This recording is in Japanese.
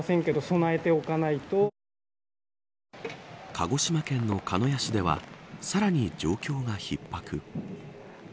鹿児島県の鹿屋市ではさらに状況が逼迫。